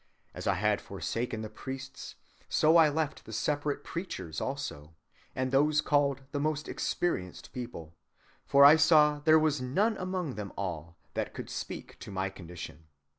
As I had forsaken the priests, so I left the separate preachers also, and those called the most experienced people; for I saw there was none among them all that could speak to my condition.